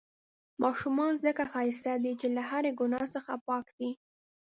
ماشومان ځڪه ښايسته دي، چې له هرې ګناه څخه پاک دي.